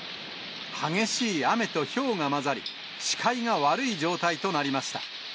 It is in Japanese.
激しい雨とひょうが交ざり、視界が悪い状態となりました。